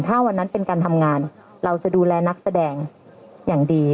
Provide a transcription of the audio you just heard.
ถ้าวันนั้นเป็นการทำงานเราจะดูแลนักแสดงอย่างดี